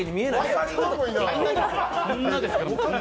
こんなですから。